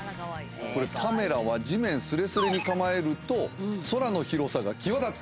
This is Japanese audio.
カメラは地面すれすれに構えると空の広さが際立つ。